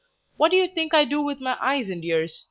What do you think I do with my eyes and ears?